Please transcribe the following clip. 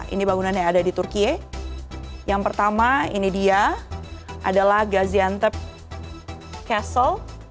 ini bangunan yang ada di turki yang pertama ini dia adalah gaziantep castle